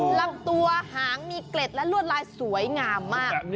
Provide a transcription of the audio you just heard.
ลำตัวหางมีเกล็ดและลวดลายสวยงามมาก